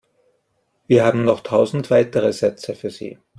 Wir haben noch tausende weitere Sätze für Sie.